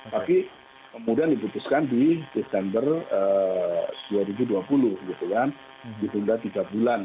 tapi kemudian diputuskan di desember dua ribu dua puluh gitu kan ditunda tiga bulan